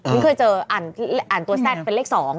เคยเจออ่านตัวแซ่ดเป็นเลข๒